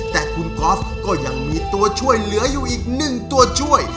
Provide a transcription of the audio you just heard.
แต่คุณกอล์ฟก็ยังมีตัวช่วยเหลืออยู่อีก๑ตัวช่วย